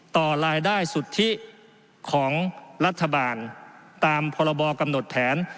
ต่อรายได้สุทธิของรัฐบาลตามพรบกำหนดแผน